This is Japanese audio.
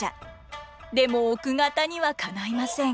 でも奥方にはかないません。